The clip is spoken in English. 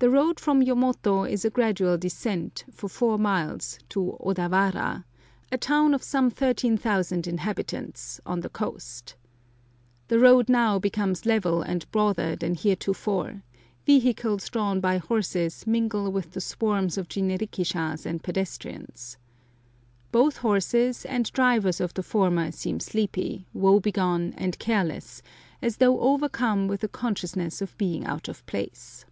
The road from Yomoto is a gradual descent, for four miles, to Odawara, a town of some thirteen thousand inhabitants, on the coast. The road now becomes level and broader than heretofore; vehicles drawn by horses mingle with the swarms of jinrikishas and pedestrians. Both horses and drivers of the former seem sleepy, woe begone and careless, as though overcome with a consciousness of being out of place.